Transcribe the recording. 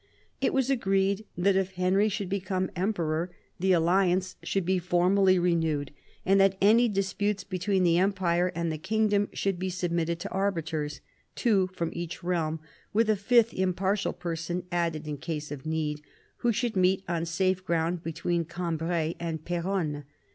It was agreed that if Henry should become emperor the alliance should be formally renewed, and that any disputes be tween the Empire and the kingdom should be submitted to arbiters — two from each realm, with a fifth impartial person added in case of need — who should meet on safe ground between Cambrai and Peronne.